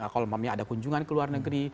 kalau ada kunjungan ke luar negeri